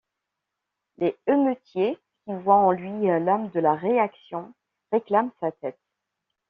Les émeutiers, qui voient en lui l'âme de la réaction, réclament sa tête.